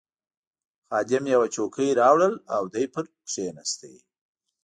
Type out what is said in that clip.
خادم یوه چوکۍ راوړل او دی پرې کښېناست.